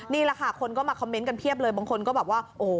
นี่แหละค่ะคนก็มาคอมเมนต์กันเพียบเลยบางคนก็บอกว่าโอ้โห